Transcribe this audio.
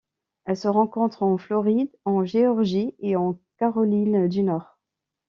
Elle se rencontre en Floride, en Géorgie et en Caroline du Nord.